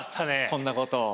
こんなことを。